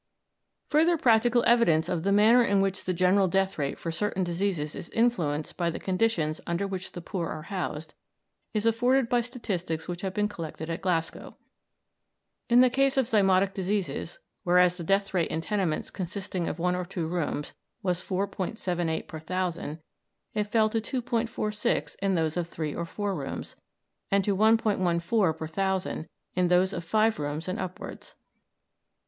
Further practical evidence of the manner in which the general death rate for certain diseases is influenced by the conditions under which the poor are housed is afforded by statistics which have been collected at Glasgow. In the case of zymotic diseases, whereas the death rate in tenements consisting of one or two rooms was 4·78 per 1,000, it fell to 2·46 in those of three or four rooms, and to 1·14 per 1,000 in those of five rooms and upwards.